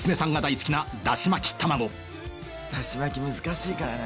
だし巻き難しいからね。